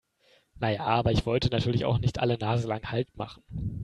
Na ja, aber ich wollte natürlich auch nicht alle naselang Halt machen.